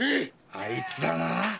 あいつだな！